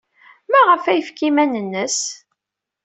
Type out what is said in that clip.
Maɣef ay yefka iman-nnes?